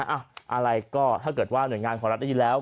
อะไรก็ถ้าเกิดว่าหน่วยงานของรัฐได้ยินแล้ว